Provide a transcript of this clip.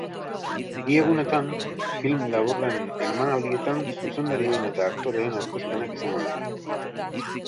Bi egunetan, film laburren emanaldietan zuzendarien eta aktoreen aurkezpenak izango dira.